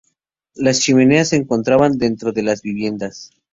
Las chimeneas se encontraban dentro de las viviendas.